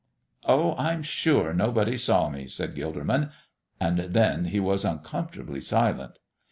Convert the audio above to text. "Oh, I'm sure nobody saw me," said Gilderman, and then he was uncomfortably silent.